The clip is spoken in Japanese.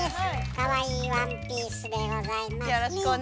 かわいいワンピースでございますね。